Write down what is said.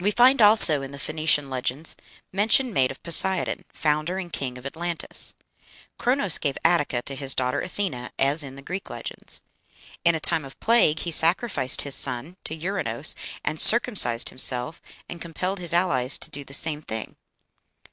We find also, in the Phoenician legends, mention made of Poseidon, founder and king of Atlantis. Chronos gave Attica to his daughter Athena, as in the Greek legends. In a time of plague he sacrificed his son to Ouranos, and "circumcised himself, and compelled his allies to do the same thing."